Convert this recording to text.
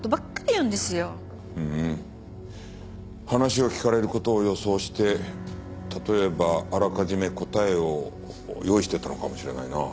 話を聞かれる事を予想して例えばあらかじめ答えを用意してたのかもしれないな。